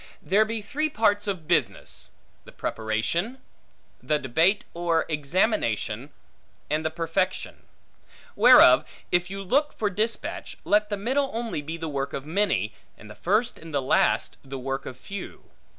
There be three parts of business; the preparation, the debate or examination, and the perfection. Whereof, if you look for dispatch, let the middle only be the work of many, and the first and last the work of few.